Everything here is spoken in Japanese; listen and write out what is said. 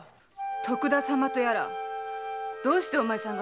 徳田様とやらどうしてお前さん方が？